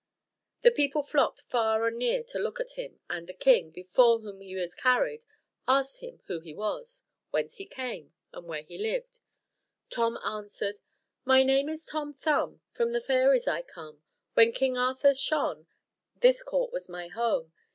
The people flocked far and near to look at him; and the king, before whom he was carried, asked him who he was, whence he came, and where he lived? Tom answered: "My name Is Tom Thumb, From the Fairies I come; When King Arthur shone, This court was my home.